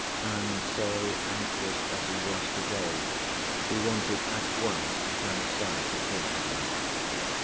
And so, anxious as he was to‐day, he wanted at once to turn aside to talk to them.